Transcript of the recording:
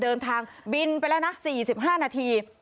เดินทางบินไปแล้วนะ๔๕นาที